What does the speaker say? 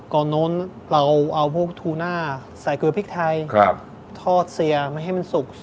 โน้นเราเอาพวกทูน่าใส่เกลือพริกไทยทอดเสียไม่ให้มันสุก